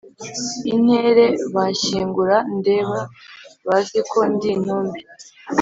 intere Banshyingura ndeba Bazi ko ndi intumbi